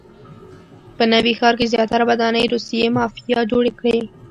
په نوي ښار کې زیاتره ودانۍ روسیې مافیا جوړې کړي.